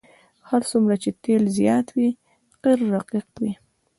هر څومره چې تیل زیات وي قیر رقیق وي